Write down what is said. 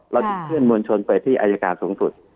จึงเคลื่อมวลชนไปที่อายการสูงสุด